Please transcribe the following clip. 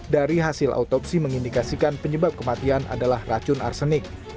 dari hasil autopsi mengindikasikan penyebab kematian adalah racun arsenik